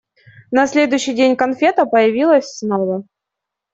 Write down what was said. На следующий день конфета появилась снова.